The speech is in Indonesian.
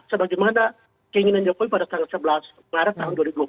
sebagaimana keinginan jokowi pada tanggal sebelas maret tahun dua ribu dua puluh